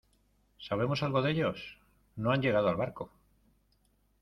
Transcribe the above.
¿ sabemos algo de ellos? no, han llegado al barco